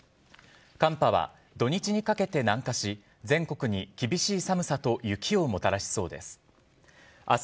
寒波は土日にかけて南下し全国に厳しい寒さと雪をもたらしそうです。